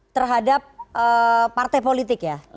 terhadap partai politik ya